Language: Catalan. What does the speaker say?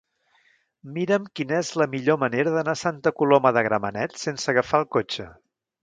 Mira'm quina és la millor manera d'anar a Santa Coloma de Gramenet sense agafar el cotxe.